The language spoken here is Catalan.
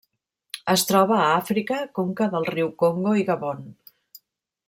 Es troba a Àfrica: conca del riu Congo i Gabon.